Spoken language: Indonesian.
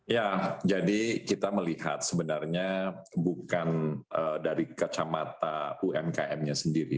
ya jadi kita melihat sebenarnya bukan dari kacamata umkm nya sendiri